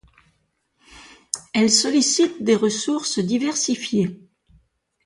Elles sollicitent des ressources diversifiées.